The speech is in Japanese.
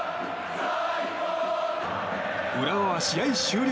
浦和は試合終了